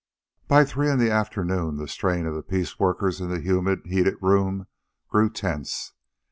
By three in the afternoon the strain of the piece workers in the humid, heated room grew tense.